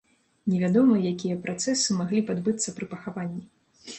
Невядома, якія працэсы маглі б адбыцца пры пахаванні.